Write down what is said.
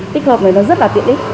tích hợp này nó rất là tiện ích